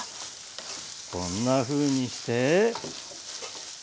こんなふうにして。